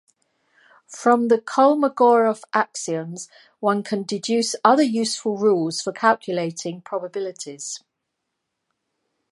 From the Kolmogorov axioms, one can deduce other useful rules for calculating probabilities.